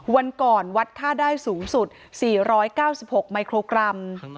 วันก่อนวัดค่าได้สูงสุด๔๙๖มิโครกรัม